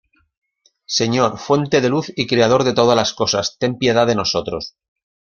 Señor, fuente de luz y Creador de todas las cosas, ten piedad de nosotros.